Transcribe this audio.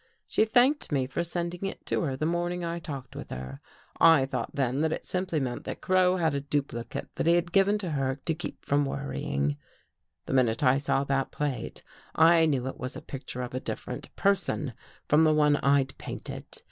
She thanked me for sending it to her the morning I talked with her. I thought then that it simply meant that Crow had a duplicate that he had given her to keep her from worrying. " The minute I saw that plate, I knew it was a picture of a different person from the one Td painted.